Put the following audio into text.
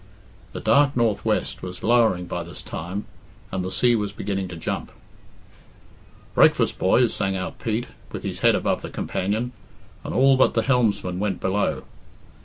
The dark northwest was lowering by this time, and the sea was beginning to jump. "Breakfast, boys," sang out Pete, with his head above the companion, and all but the helmsman went below.